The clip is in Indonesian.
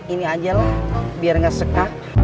ini ajalah biar nggak skak